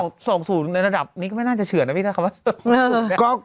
๒ประตูต่อ๐ในระดับนี้ก็ไม่น่าจะเฉินนะพี่เท้าครับ